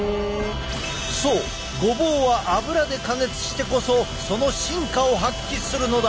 そうごぼうは油で加熱してこそその真価を発揮するのだ！